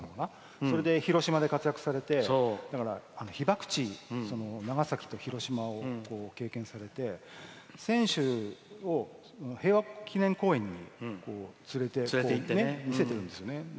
それで広島で活躍されて被爆地、長崎と広島を経験されて選手を平和記念公園に連れて行って見せているんですよね。